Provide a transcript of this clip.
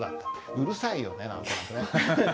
うるさいよね何となくね。